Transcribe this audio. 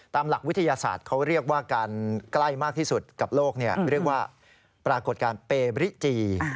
หลักวิทยาศาสตร์เขาเรียกว่าการใกล้มากที่สุดกับโลกเรียกว่าปรากฏการณ์เปบริจี